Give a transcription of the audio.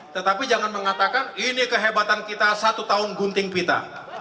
tetapi jangan mengatakan ini kehebatan kita satu tahun gunting pita